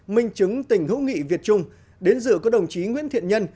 minh chứng tình hữu nghị việt trung đến dự có đồng chí nguyễn thiện nhân